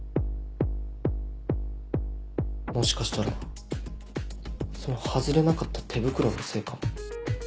もしかしたらその外れなかった手袋のせいかも。